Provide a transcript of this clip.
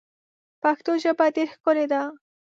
پښتو ژبه ډیر ښکلی ده.